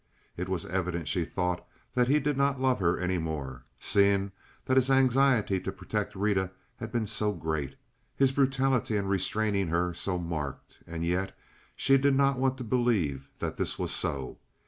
It was evident, she thought, that he did not love her any more, seeing that his anxiety to protect Rita had been so great; his brutality in restraining her so marked; and yet she did not want to believe that this was so.